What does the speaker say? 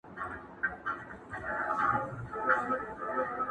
راوړي دي و یار ته یار لېمه شراب شراب